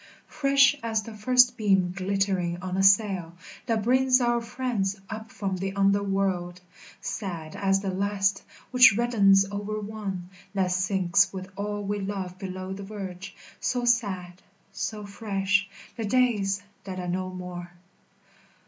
Fresh as the first beam glittering on a sail, That brings our friends up from the under world; Sad as the last which reddens over one That sinks with all we love below the verge, So sad, so fresh, the days that are no more.